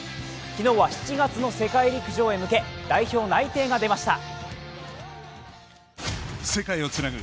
昨日は７月の世界陸上へ向け、代表内定が出ました。